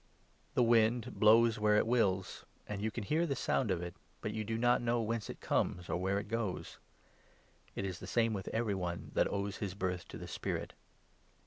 The wind blows where it wills, and you can hear the sound of 8 it, but you do not know whence it comes, or where it goes ; it is the same with every one that owes his birth to the Spirit."